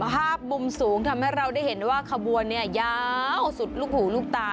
ภาพมุมสูงทำให้เราได้เห็นว่าขบวนเนี่ยยาวสุดลูกหูลูกตา